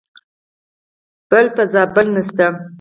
بل په زابل نشته .